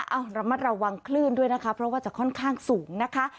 เอาระมัดระวังคลื่นด้วยนะคะเพราะว่าจะค่อนข้างสูงนะคะ